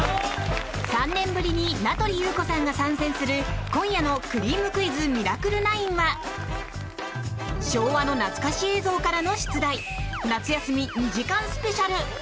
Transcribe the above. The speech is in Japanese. ３年ぶりに名取裕子さんが参戦する今夜の「くりぃむクイズミラクル９」は昭和の懐かし映像からの出題夏休み２時間スペシャル。